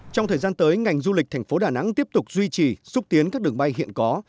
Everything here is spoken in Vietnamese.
trong thời gian tới ngành du lịch thành phố đà nẵng tiếp tục duy trì xúc tiến các đường bay hiện có